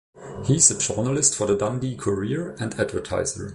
He is a journalist for the Dundee Courier and Advertiser.